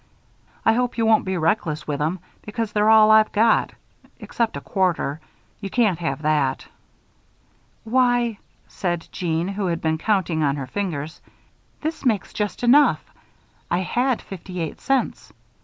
I hope you won't be reckless with 'em because they're all I've got except a quarter. You can't have that." "Why!" said Jeanne, who had been counting on her fingers, "this makes just enough. I had fifty eight cents.